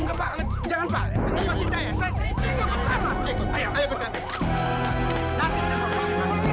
nanti jangan berpikir pikir